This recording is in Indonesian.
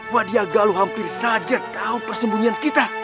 wadi agalu hampir saja tahu persembunyian kita